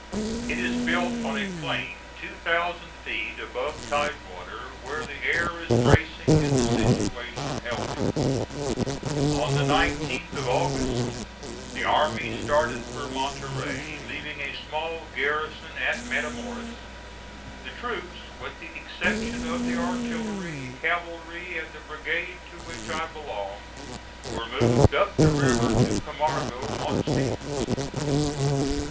It is built on a plain two thousand feet above tide water, where the air is bracing and the situation healthy. On the 19th of August the army started for Monterey, leaving a small garrison at Matamoras. The troops, with the exception of the artillery, cavalry, and the brigade to which I belonged, were moved up the river to Camargo on steamers.